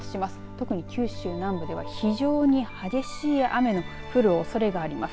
特に九州南部では非常に激しい雨の降るおそれがあります。